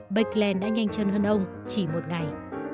bạc kỳ lên đã nhanh chân hơn ông chỉ một ngày